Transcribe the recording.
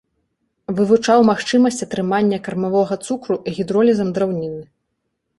Вывучаў магчымасць атрымання кармавога цукру гідролізам драўніны.